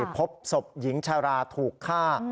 พบศพหญิงชาราถูกฆ่า